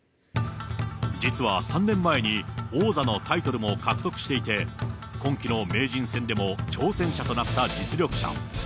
実は３年前に、王座のタイトルも獲得していて、今期の名人戦でも挑戦者となった実力者。